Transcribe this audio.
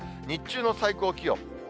日中の最高気温。